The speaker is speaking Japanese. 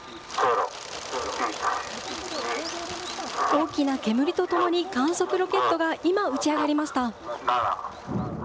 大きな煙とともに、観測ロケットが今、打ち上がりました。